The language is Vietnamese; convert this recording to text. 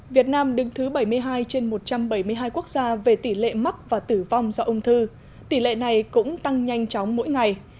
việt nam đứng thứ bảy mươi hai trên một trăm bảy mươi hai quốc gia về tỷ lệ mắc và tử vong do ung thư tỷ lệ này cũng tăng nhanh chóng mỗi ngày